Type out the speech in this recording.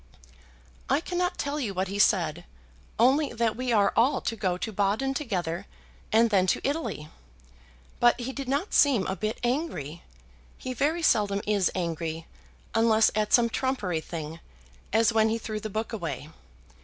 "I cannot tell you what he said, only that we are all to go to Baden together, and then to Italy. But he did not seem a bit angry; he very seldom is angry, unless at some trumpery thing, as when he threw the book away.